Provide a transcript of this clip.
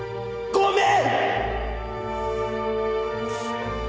ごめん！